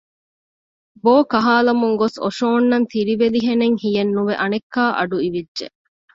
ބޯކަހާލަމުން ގޮސް އޮށޯންނަން ތިރިވެލިހެނެއް ހިޔެއްނުވެ އަނެއްކާ އަޑު އިވިއްޖެ